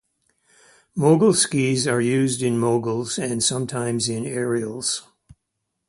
Mogul skis are used in moguls and sometimes in aerials.